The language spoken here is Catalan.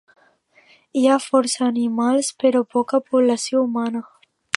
Hi ha força animals, però poca població humana.